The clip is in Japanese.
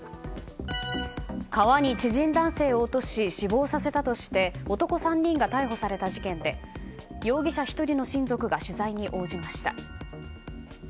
川に知人男性を落とし死亡させたとして男３人が逮捕された事件で容疑者１人の親族が取材に応じました。